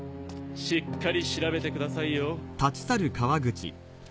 しっかり調べてくださいよ。